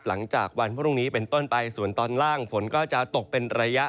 หลังจากวันพรุ่งนี้เป็นต้นไปส่วนตอนล่างฝนก็จะตกเป็นระยะ